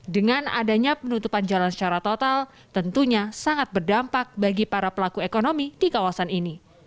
dengan adanya penutupan jalan secara total tentunya sangat berdampak bagi para pelaku ekonomi di kawasan ini